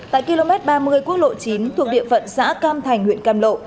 tại km ba mươi quốc lộ chín thuộc địa phận xã cam thành huyện cam lộ